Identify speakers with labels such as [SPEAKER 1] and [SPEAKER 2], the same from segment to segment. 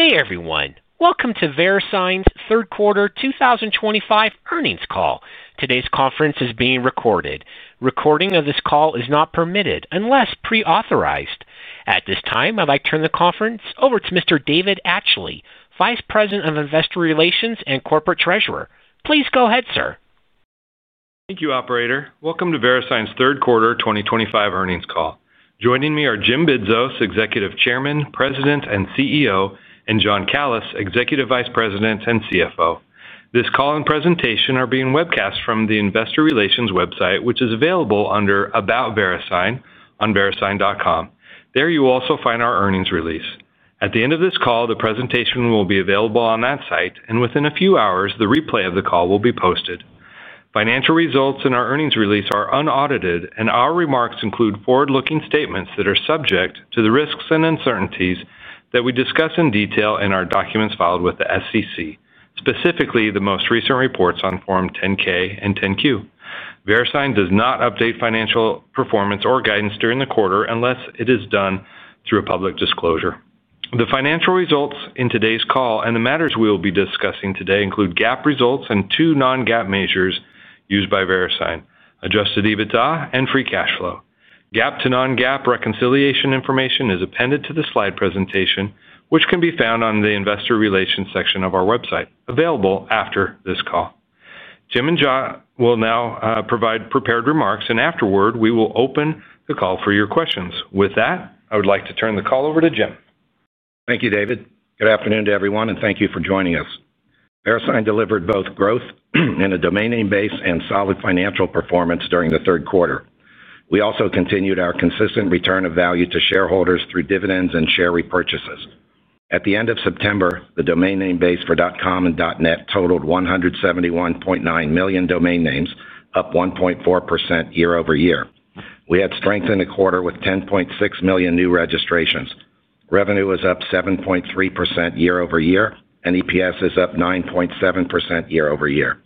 [SPEAKER 1] Good day, everyone. Welcome to VeriSign's third quarter 2025 earnings call. Today's conference is being recorded. Recording of this call is not permitted unless pre-authorized. At this time, I'd like to turn the conference over to Mr. David Atchley, Vice President of Investor Relations and Corporate Treasurer. Please go ahead, sir.
[SPEAKER 2] Thank you, operator. Welcome to VeriSign's third quarter 2025 earnings call. Joining me are Jim Bidzos, Executive Chairman, President and CEO, and John Calys, Executive Vice President and CFO. This call and presentation are being webcast from the Investor Relations website, which is available under About VeriSign on verisign.com. There you will also find our earnings release. At the end of this call, the presentation will be available on that site, and within a few hours, the replay of the call will be posted. Financial results in our earnings release are unaudited, and our remarks include forward-looking statements that are subject to the risks and uncertainties that we discuss in detail in our documents filed with the SEC, specifically the most recent reports on Form 10-K and 10-Q. VeriSign does not update financial performance or guidance during the quarter unless it is done through a public disclosure. The financial results in today's call and the matters we will be discussing today include GAAP results and two non-GAAP measures used by VeriSign: adjusted EBITDA and free cash flow. GAAP to non-GAAP reconciliation information is appended to the slide presentation, which can be found on the Investor Relations section of our website, available after this call. Jim and John will now provide prepared remarks, and afterward, we will open the call for your questions. With that, I would like to turn the call over to Jim.
[SPEAKER 3] Thank you, David. Good afternoon to everyone, and thank you for joining us. VeriSign delivered both growth in a domain name base and solid financial performance during the third quarter. We also continued our consistent return of value to shareholders through dividends and share repurchases. At the end of September, the domain name base for .com and .net totaled 171.9 million domain names, up 1.4% year-over-year. We had strength in the quarter with 10.6 million new registrations. Revenue was up 7.3% year-over-year, and EPS is up 9.7% year-over-year.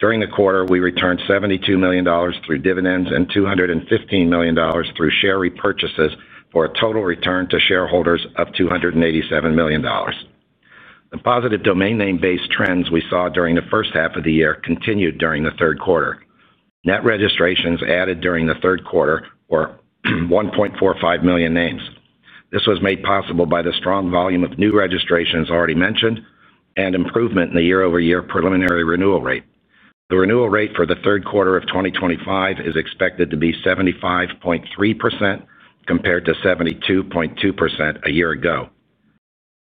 [SPEAKER 3] During the quarter, we returned $72 million through dividends and $215 million through share repurchases for a total return to shareholders of $287 million. The positive domain name base trends we saw during the first half of the year continued during the third quarter. Net registrations added during the third quarter were 1.45 million names. This was made possible by the strong volume of new registrations already mentioned and improvement in the year-over-year preliminary renewal rate. The renewal rate for the third quarter of 2025 is expected to be 75.3% compared to 72.2% a year ago.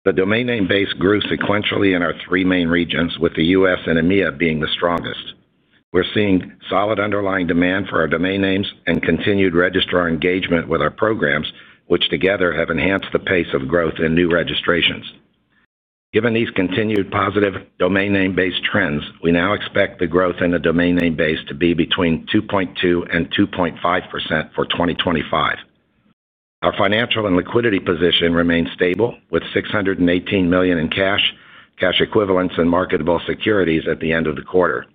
[SPEAKER 3] The domain name base grew sequentially in our three main regions, with the U.S. and EMEA being the strongest. We're seeing solid underlying demand for our domain names and continued registrar engagement with our programs, which together have enhanced the pace of growth in new registrations. Given these continued positive domain name base trends, we now expect the growth in the domain name base to be between 2.2% and 2.5% for 2025. Our financial and liquidity position remains stable, with $618 million in cash, cash equivalents, and marketable securities at the end of the quarter.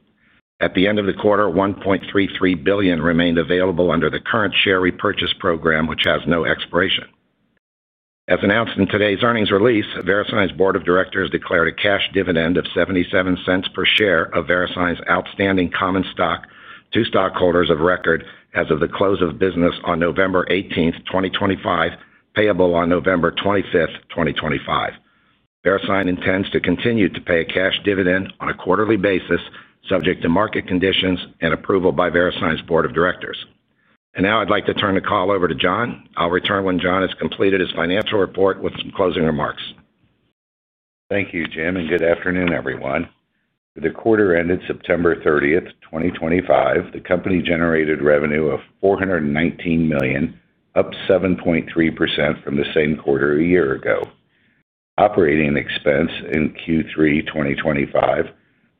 [SPEAKER 3] At the end of the quarter, $1.33 billion remained available under the current share repurchase program, which has no expiration. As announced in today's earnings release, VeriSign's Board of Directors declared a cash dividend of $0.77 per share of VeriSign's outstanding common stock to stockholders of record as of the close of business on November 18, 2025, payable on November 25, 2025. VeriSign intends to continue to pay a cash dividend on a quarterly basis subject to market conditions and approval by VeriSign's Board of Directors. I would like to turn the call over to John. I'll return when John has completed his financial report with some closing remarks.
[SPEAKER 4] Thank you, Jim, and good afternoon, everyone. The quarter ended September 30, 2025. The company generated revenue of $419 million, up 7.3% from the same quarter a year ago. Operating expense in Q3 2025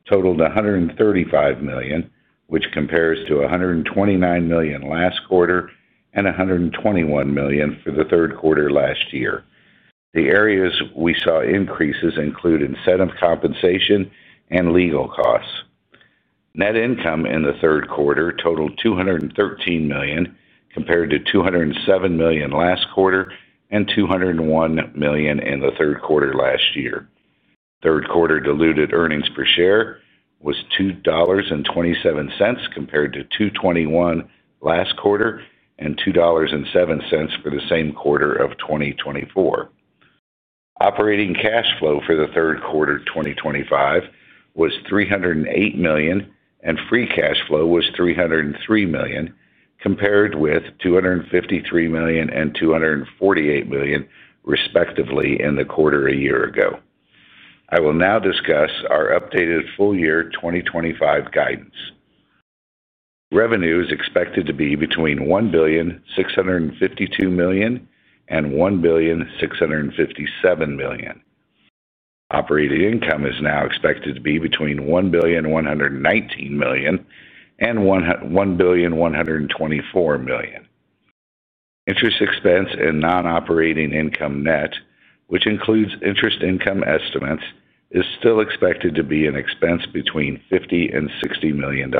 [SPEAKER 4] totaled $135 million, which compares to $129 million last quarter and $121 million for the third quarter last year. The areas we saw increases include incentive compensation and legal costs. Net income in the third quarter totaled $213 million, compared to $207 million last quarter and $201 million in the third quarter last year. Third quarter diluted EPS was $2.27 compared to $2.21 last quarter and $2.07 for the same quarter of 2024. Operating cash flow for the third quarter 2025 was $308 million, and free cash flow was $303 million, compared with $253 million and $248 million, respectively, in the quarter a year ago. I will now discuss our updated full-year 2025 guidance. Revenue is expected to be between $1.652 billion and $1.657 billion. Operating income is now expected to be between $1.119 billion and $1.124 billion. Interest expense and non-operating income net, which includes interest income estimates, is still expected to be an expense between $50 million and $60 million.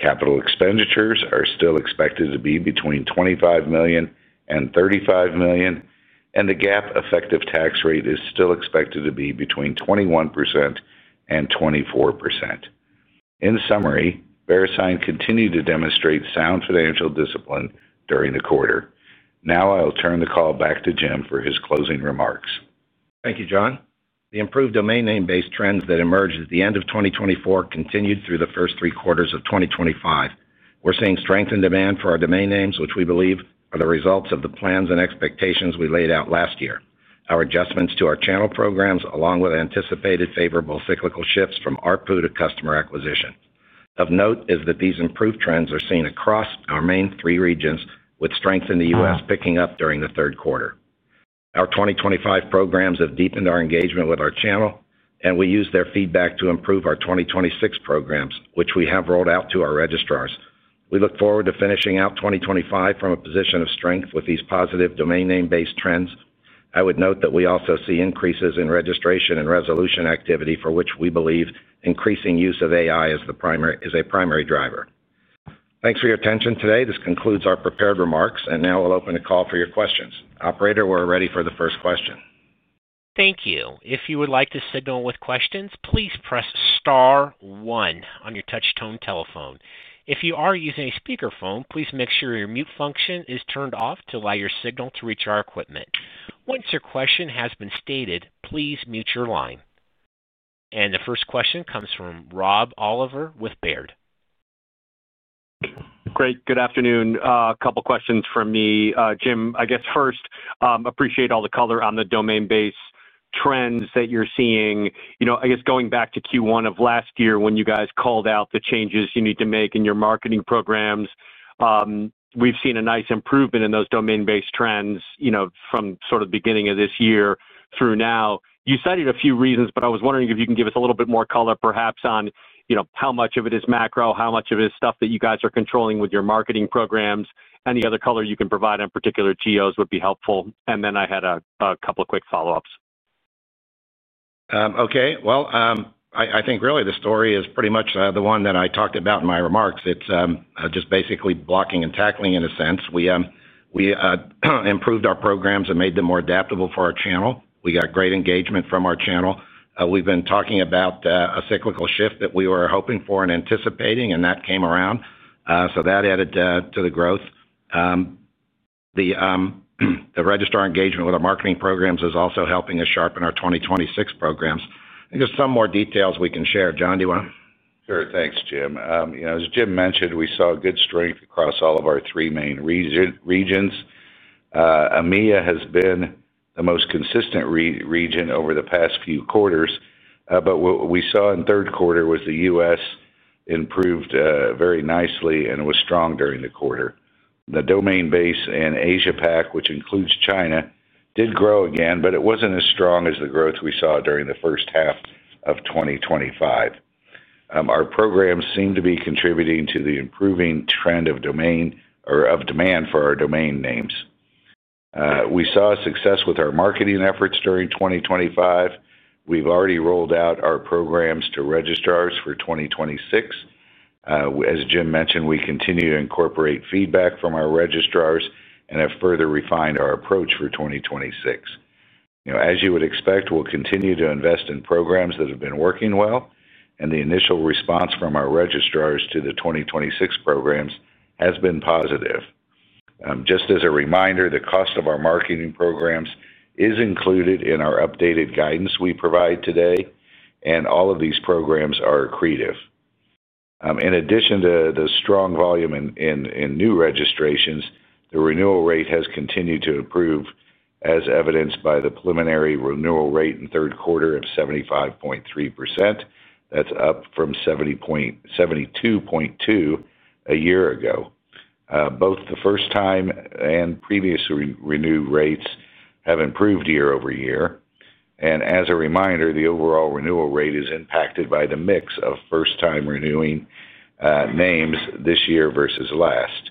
[SPEAKER 4] Capital expenditures are still expected to be between $25 million and $35 million, and the GAAP effective tax rate is still expected to be between 21% and 24%. In summary, VeriSign continued to demonstrate sound financial discipline during the quarter. Now I'll turn the call back to Jim for his closing remarks.
[SPEAKER 3] Thank you, John. The improved domain name base trends that emerged at the end of 2024 continued through the first three quarters of 2025. We're seeing strength in demand for our domain names, which we believe are the results of the plans and expectations we laid out last year. Our adjustments to our channel programs, along with anticipated favorable cyclical shifts from ARPU to customer acquisition, are contributing to this. Of note is that these improved trends are seen across our main three regions, with strength in the U.S. picking up during the third quarter. Our 2025 programs have deepened our engagement with our channel, and we use their feedback to improve our 2026 programs, which we have rolled out to our registrars. We look forward to finishing out 2025 from a position of strength with these positive domain name base trends. I would note that we also see increases in registration and resolution activity, for which we believe increasing use of AI is a primary driver. Thanks for your attention today. This concludes our prepared remarks, and now we'll open the call for your questions. Operator, we're ready for the first question.
[SPEAKER 1] Thank you. If you would like to signal with questions, please press star one on your touch-tone telephone. If you are using a speakerphone, please make sure your mute function is turned off to allow your signal to reach our equipment. Once your question has been stated, please mute your line. The first question comes from Rob Oliver with Baird.
[SPEAKER 5] Great. Good afternoon. A couple of questions from me. Jim, I guess first, I appreciate all the color on the domain name base trends that you're seeing. Going back to Q1 of last year when you guys called out the changes you need to make in your marketing programs, we've seen a nice improvement in those domain name base trends from sort of the beginning of this year through now. You cited a few reasons, but I was wondering if you can give us a little bit more color, perhaps on how much of it is macro, how much of it is stuff that you guys are controlling with your marketing programs. Any other color you can provide on particular geos would be helpful. I had a couple of quick follow-ups.
[SPEAKER 3] I think really the story is pretty much the one that I talked about in my remarks. It's just basically blocking and tackling in a sense. We improved our programs and made them more adaptable for our channel. We got great engagement from our channel. We've been talking about a cyclical shift that we were hoping for and anticipating, and that came around. That added to the growth. The registrar engagement with our marketing programs is also helping us sharpen our 2026 programs. I think there's some more details we can share. John, do you want to?
[SPEAKER 4] Sure. Thanks, Jim. As Jim mentioned, we saw good strength across all of our three main regions. EMEA has been the most consistent region over the past few quarters, but what we saw in the third quarter was the U.S. improved very nicely and was strong during the quarter. The domain name base in Asia Pac, which includes China, did grow again, but it wasn't as strong as the growth we saw during the first half of 2025. Our programs seem to be contributing to the improving trend of demand for our domain names. We saw success with our marketing efforts during 2025. We've already rolled out our programs to registrars for 2026. As Jim mentioned, we continue to incorporate feedback from our registrars and have further refined our approach for 2026. As you would expect, we'll continue to invest in programs that have been working well, and the initial response from our registrars to the 2026 programs has been positive. Just as a reminder, the cost of our marketing programs is included in our updated guidance we provide today, and all of these programs are accretive. In addition to the strong volume in new registrations, the renewal rate has continued to improve, as evidenced by the preliminary renewal rate in the third quarter of 75.3%. That's up from 72.2% a year ago. Both the first-time and previously renewed rates have improved year-over-year. As a reminder, the overall renewal rate is impacted by the mix of first-time renewing names this year versus last.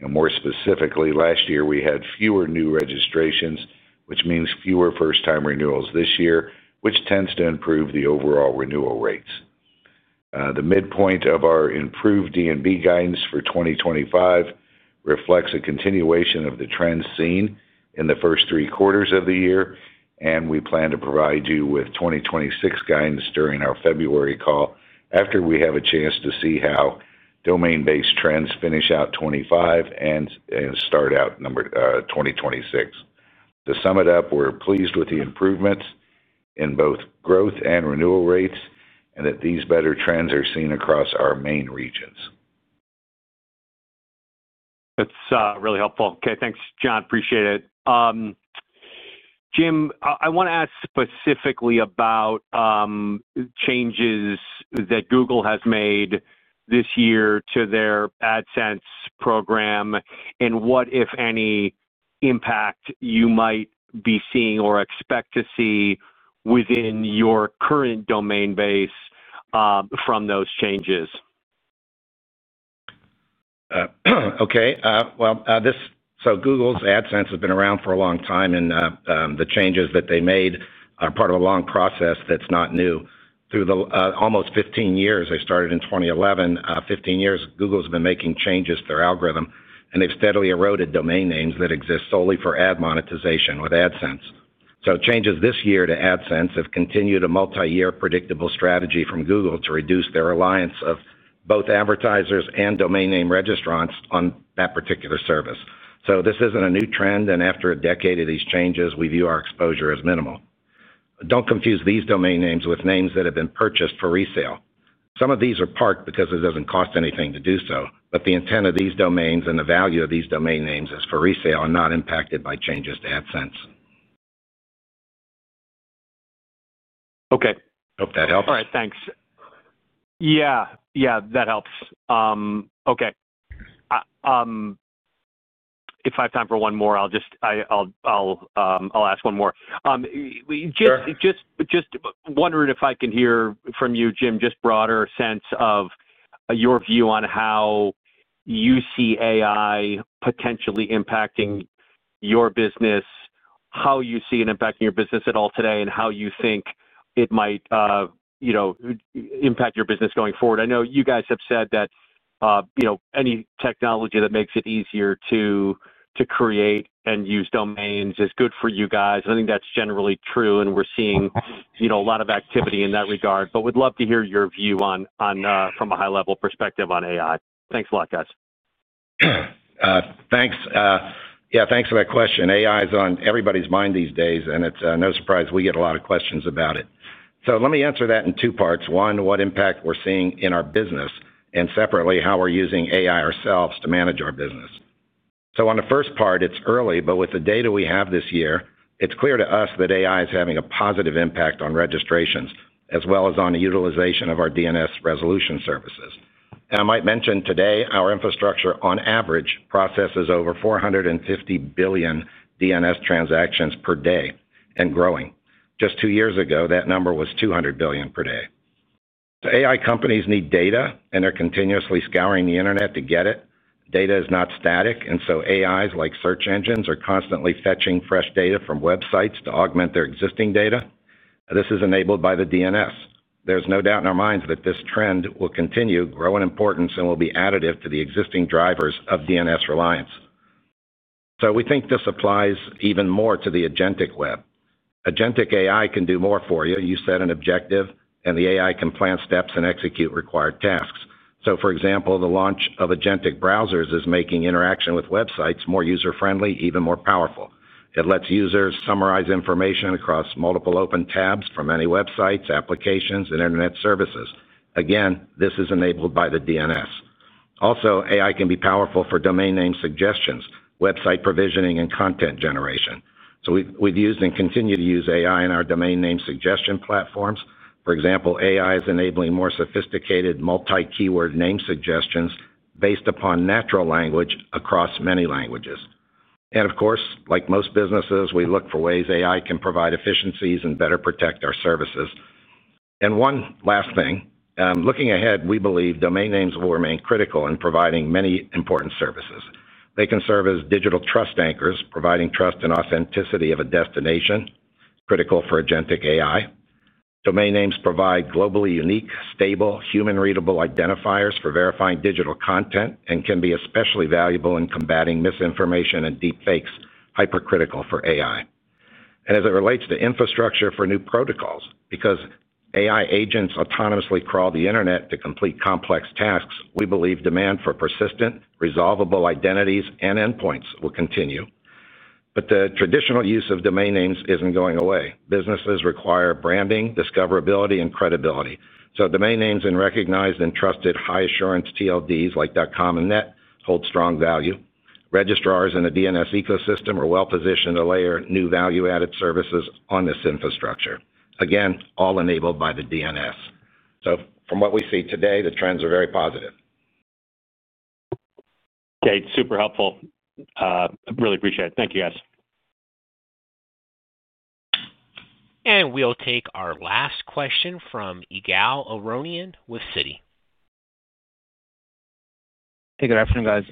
[SPEAKER 4] More specifically, last year we had fewer new registrations, which means fewer first-time renewals this year, which tends to improve the overall renewal rates. The midpoint of our improved domain name base guidance for 2025 reflects a continuation of the trends seen in the first three quarters of the year, and we plan to provide you with 2026 guidance during our February call after we have a chance to see how domain name base trends finish out 2025 and start out 2026. To sum it up, we're pleased with the improvements in both growth and renewal rates and that these better trends are seen across our main regions.
[SPEAKER 5] That's really helpful. Okay. Thanks, John. Appreciate it. Jim, I want to ask specifically about changes that Google has made this year to their AdSense program, and what, if any, impact you might be seeing or expect to see within your current domain name base from those changes.
[SPEAKER 3] Google's AdSense has been around for a long time, and the changes that they made are part of a long process that's not new. Through the almost 15 years, they started in 2011. For 15 years, Google's been making changes to their algorithm, and they've steadily eroded domain names that exist solely for ad monetization with AdSense. Changes this year to AdSense have continued a multi-year predictable strategy from Google to reduce their reliance of both advertisers and domain name registrants on that particular service. This isn't a new trend, and after a decade of these changes, we view our exposure as minimal. Don't confuse these domain names with names that have been purchased for resale. Some of these are parked because it doesn't cost anything to do so, but the intent of these domains and the value of these domain names is for resale and not impacted by changes to AdSense.
[SPEAKER 5] Okay.
[SPEAKER 3] Hope that helps.
[SPEAKER 5] All right. Thanks. Yeah, that helps. If I have time for one more, I'll ask one more. Just wondering if I can hear from you, Jim, just a broader sense of your view on how you see AI potentially impacting your business, how you see it impacting your business at all today, and how you think it might impact your business going forward. I know you guys have said that any technology that makes it easier to create and use domains is good for you guys. I think that's generally true, and we're seeing a lot of activity in that regard, but would love to hear your view from a high-level perspective on AI. Thanks a lot, guys.
[SPEAKER 3] Thanks. Yeah. Thanks for that question. AI is on everybody's mind these days, and it's no surprise we get a lot of questions about it. Let me answer that in two parts. One, what impact we're seeing in our business, and separately, how we're using AI ourselves to manage our business. On the first part, it's early, but with the data we have this year, it's clear to us that AI is having a positive impact on registrations as well as on the utilization of our DNS resolution services. I might mention today our infrastructure on average processes over 450 billion DNS transactions per day and growing. Just two years ago, that number was 200 billion per day. AI companies need data, and they're continuously scouring the internet to get it. Data is not static, and AIs like search engines are constantly fetching fresh data from websites to augment their existing data. This is enabled by the DNS. There's no doubt in our minds that this trend will continue, grow in importance, and will be additive to the existing drivers of DNS reliance. We think this applies even more to the Agentic web. Agentic AI can do more for you. You set an objective, and the AI can plan steps and execute required tasks. For example, the launch of Agentic browsers is making interaction with websites more user-friendly, even more powerful. It lets users summarize information across multiple open tabs from any websites, applications, and internet services. Again, this is enabled by the DNS. Also, AI can be powerful for domain name suggestions, website provisioning, and content generation. We've used and continue to use AI in our domain name suggestion platforms. For example, AI is enabling more sophisticated multi-keyword name suggestions based upon natural language across many languages. Of course, like most businesses, we look for ways AI can provide efficiencies and better protect our services. One last thing. Looking ahead, we believe domain names will remain critical in providing many important services. They can serve as digital trust anchors, providing trust and authenticity of a destination, critical for Agentic AI. Domain names provide globally unique, stable, human-readable identifiers for verifying digital content and can be especially valuable in combating misinformation and deep fakes, hypercritical for AI. As it relates to infrastructure for new protocols, because AI agents autonomously crawl the internet to complete complex tasks, we believe demand for persistent, resolvable identities and endpoints will continue. The traditional use of domain names isn't going away. Businesses require branding, discoverability, and credibility. Domain names in recognized and trusted high-assurance TLDs like .com and .net hold strong value. Registrars in a DNS ecosystem are well positioned to layer new value-added services on this infrastructure. Again, all enabled by the DNS. From what we see today, the trends are very positive.
[SPEAKER 5] Okay. It's super helpful. I really appreciate it. Thank you, guys.
[SPEAKER 1] We will take our last question from Ygal Arounian with Citi.
[SPEAKER 6] Hey, good afternoon, guys.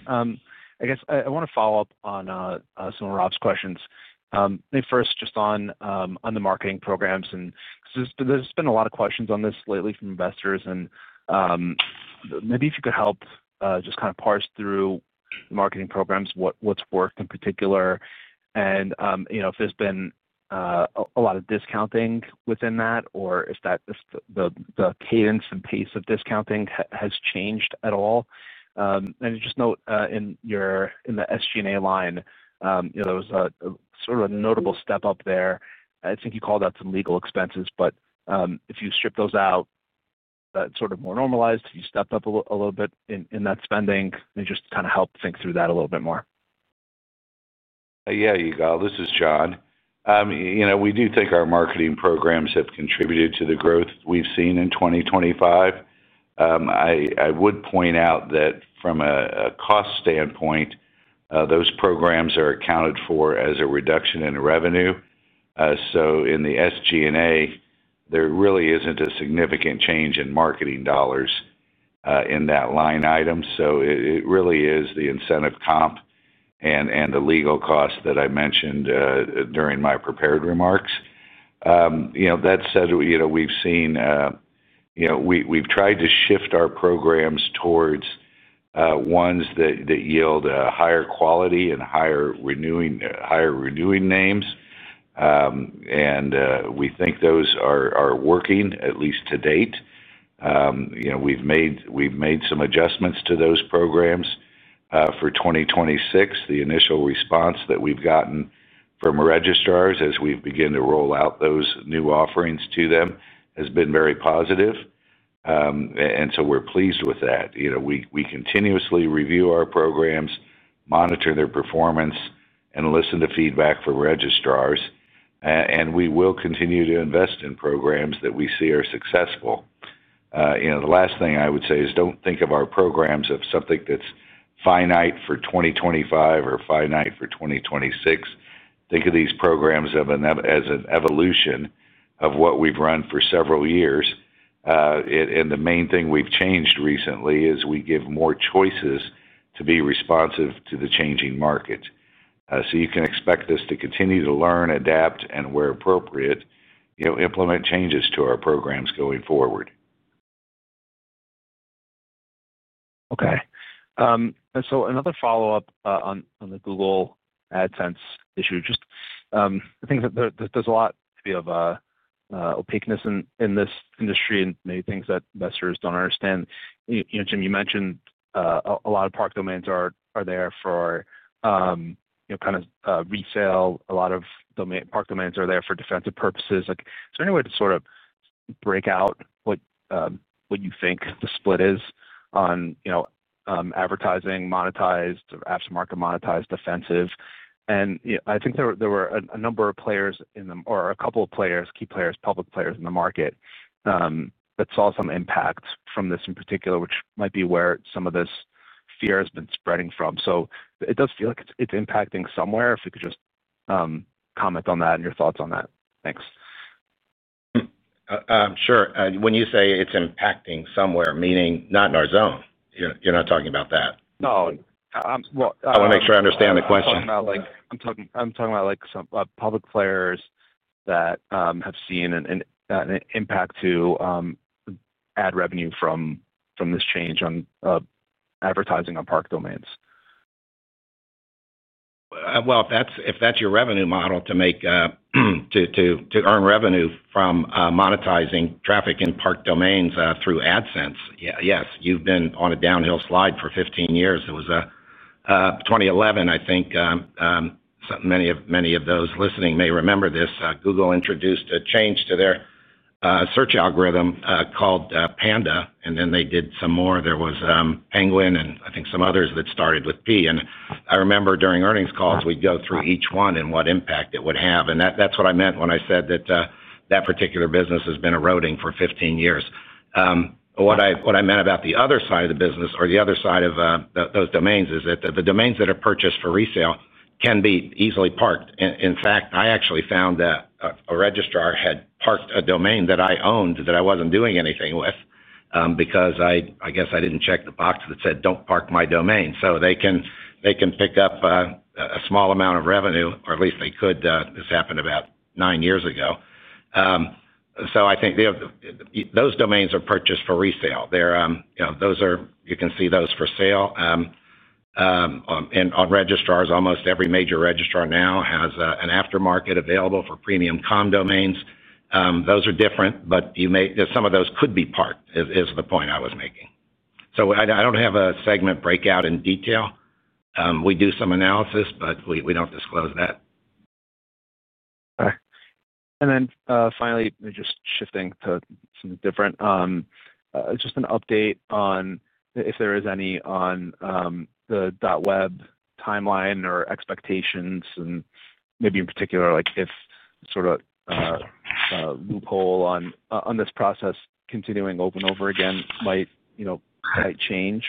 [SPEAKER 6] I guess I want to follow up on some of Rob's questions. Maybe first just on the marketing programs. There's been a lot of questions on this lately from investors. Maybe if you could help just kind of parse through the marketing programs, what's worked in particular, and if there's been a lot of discounting within that or if the cadence and pace of discounting has changed at all. I just note in your SG&A line, there was a sort of a notable step up there. I think you called out some legal expenses, but if you stripped those out, that's sort of more normalized. If you stepped up a little bit in that spending, could you just kind of help think through that a little bit more.
[SPEAKER 4] Yeah, Igal, this is John. We do think our marketing programs have contributed to the growth we've seen in 2025. I would point out that from a cost standpoint, those programs are accounted for as a reduction in revenue. In the SG&A, there really isn't a significant change in marketing dollars in that line item. It really is the incentive comp and the legal cost that I mentioned during my prepared remarks. That said, we've tried to shift our programs towards ones that yield higher quality and higher renewing names, and we think those are working, at least to date. We've made some adjustments to those programs for 2026. The initial response that we've gotten from registrars as we've begun to roll out those new offerings to them has been very positive, and we're pleased with that. We continuously review our programs, monitor their performance, and listen to feedback from registrars. We will continue to invest in programs that we see are successful. The last thing I would say is don't think of our programs as something that's finite for 2025 or finite for 2026. Think of these programs as an evolution of what we've run for several years. The main thing we've changed recently is we give more choices to be responsive to the changing markets. You can expect us to continue to learn, adapt, and where appropriate, implement changes to our programs going forward.
[SPEAKER 6] Okay. Another follow-up on the Google AdSense issue. I think that there's a lot of opaqueness in this industry and many things that investors don't understand. Jim, you mentioned a lot of park domains are there for kind of resale. A lot of park domains are there for defensive purposes. Is there any way to sort of break out what you think the split is on advertising monetized or apps to market monetized defensive? I think there were a number of players in the, or a couple of key players, public players in the market that saw some impact from this in particular, which might be where some of this fear has been spreading from. It does feel like it's impacting somewhere if we could just comment on that and your thoughts on that. Thanks.
[SPEAKER 3] Sure. When you say it's impacting somewhere, meaning not in our zone, you're not talking about that?
[SPEAKER 6] No.
[SPEAKER 3] I want to make sure I understand the question.
[SPEAKER 6] I'm talking about some public players that have seen an impact to ad revenue from this change on advertising on parked domains.
[SPEAKER 3] If that's your revenue model to make to earn revenue from monetizing traffic in parked domains through AdSense, yes, you've been on a downhill slide for 15 years. It was 2011, I think. Many of those listening may remember this. Google introduced a change to their search algorithm called Panda, and then they did some more. There was Penguin and I think some others that started with P. I remember during earnings calls, we'd go through each one and what impact it would have. That's what I meant when I said that particular business has been eroding for 15 years. What I meant about the other side of the business or the other side of those domains is that the domains that are purchased for resale can be easily parked. In fact, I actually found that a registrar had parked a domain that I owned that I wasn't doing anything with because I guess I didn't check the box that said don't park my domain. They can pick up a small amount of revenue, or at least they could. This happened about nine years ago. I think those domains are purchased for resale. You can see those for sale. On registrars, almost every major registrar now has an aftermarket available for premium .com domains. Those are different, but some of those could be parked is the point I was making. I don't have a segment breakout in detail. We do some analysis, but we don't disclose that.
[SPEAKER 6] Okay. Finally, just shifting to something different, just an update on if there is any on the .web timeline or expectations and maybe in particular if sort of a loophole on this process continuing over and over again might change.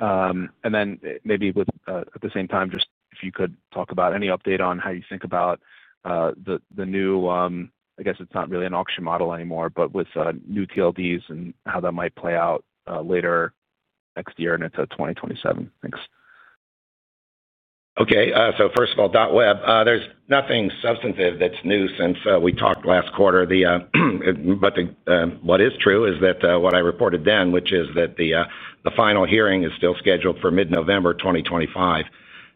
[SPEAKER 6] At the same time, if you could talk about any update on how you think about the new, I guess it's not really an auction model anymore, but with new TLDs and how that might play out later next year and into 2027. Thanks.
[SPEAKER 3] Okay. First of all, .web, there's nothing substantive that's new since we talked last quarter. What is true is that what I reported then, which is that the final hearing is still scheduled for mid-November 2025.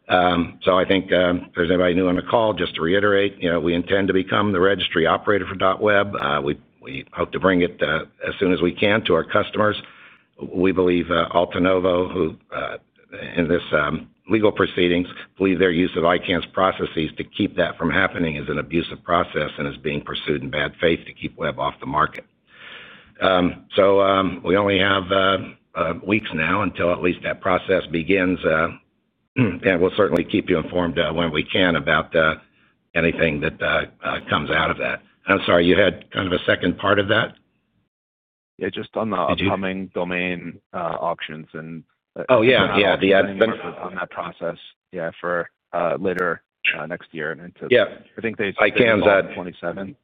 [SPEAKER 3] I think if there's anybody new on the call, just to reiterate, you know we intend to become the registry operator for .web. We hope to bring it as soon as we can to our customers. We believe Alta Novo, who, in this legal proceeding, believe their use of ICANN's processes to keep that from happening is an abusive process and is being pursued in bad faith to keep .web off the market. We only have weeks now until at least that process begins. We'll certainly keep you informed when we can about anything that comes out of that. I'm sorry, you had kind of a second part of that?
[SPEAKER 6] Yeah, just on the upcoming domain auctions.
[SPEAKER 3] Oh, yeah. The adventure.
[SPEAKER 6] On that process, yeah, for later next year and into.
[SPEAKER 3] Yeah.
[SPEAKER 6] I think they said.
[SPEAKER 3] ICANN's ad.
[SPEAKER 6] 2027.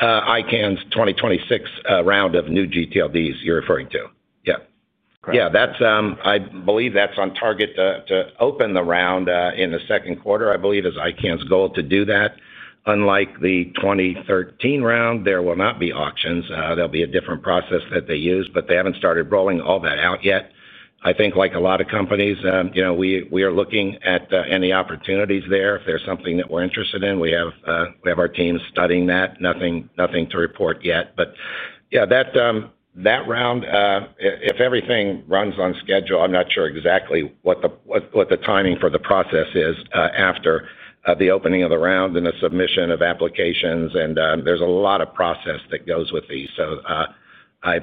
[SPEAKER 3] ICANN's 2026 round of new gTLDs you're referring to. Yeah.
[SPEAKER 6] Correct.
[SPEAKER 3] Yeah. I believe that's on target to open the round in the second quarter. I believe it's ICANN's goal to do that. Unlike the 2013 round, there will not be auctions. There will be a different process that they use, but they haven't started rolling all that out yet. I think, like a lot of companies, we are looking at any opportunities there. If there's something that we're interested in, we have our team studying that. Nothing to report yet. That round, if everything runs on schedule, I'm not sure exactly what the timing for the process is after the opening of the round and the submission of applications. There's a lot of process that goes with these. I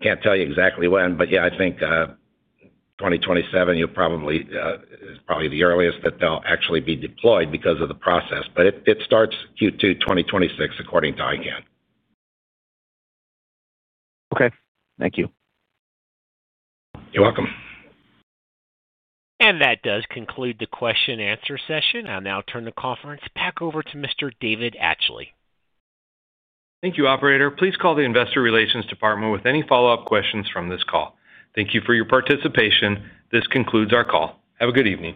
[SPEAKER 3] can't tell you exactly when, but I think 2027 is probably the earliest that they'll actually be deployed because of the process. It starts Q2 2026 according to ICANN.
[SPEAKER 6] Okay, thank you.
[SPEAKER 3] You're welcome.
[SPEAKER 1] That does conclude the question-answer session. I'll now turn the conference back over to Mr. David Atchley.
[SPEAKER 2] Thank you, operator. Please call the Investor Relations Department with any follow-up questions from this call. Thank you for your participation. This concludes our call. Have a good evening.